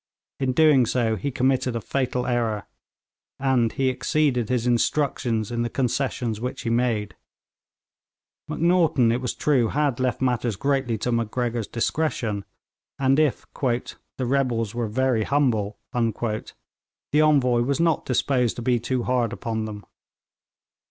In doing so he committed a fatal error, and he exceeded his instructions in the concessions which he made. Macnaghten, it was true, had left matters greatly to Macgregor's discretion; and if 'the rebels were very humble,' the Envoy was not disposed to be too hard upon them.